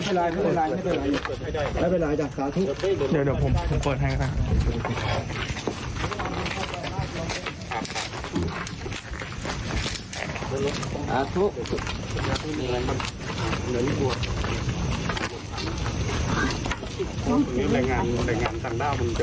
ตรงนี้แหล่งงานทางด้าวมันจะเข้ามากลุ่มพักเกงว่าจะปล่อยมาด้วย